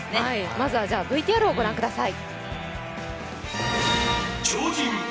まずはＶＴＲをご覧ください。